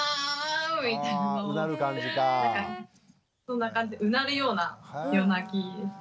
そんな感じでうなるような夜泣きです。